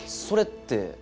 それって？